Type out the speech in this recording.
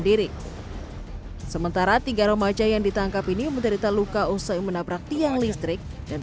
diri sementara tiga remaja yang ditangkap ini menderita luka usai menabrak tiang listrik dan